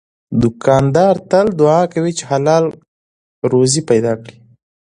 دوکاندار تل دعا کوي چې حلال روزي پیدا کړي.